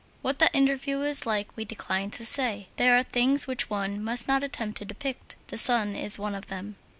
What that interview was like we decline to say. There are things which one must not attempt to depict; the sun is one of them.